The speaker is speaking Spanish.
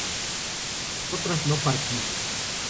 vosotras no partís